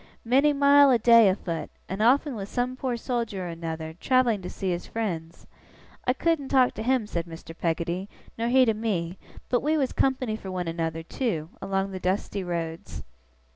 Many mile a day a foot, and often with some poor soldier or another, travelling to see his friends. I couldn't talk to him,' said Mr. Peggotty, 'nor he to me; but we was company for one another, too, along the dusty roads.